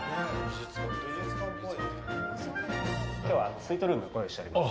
スイートルーム、ご用意しております。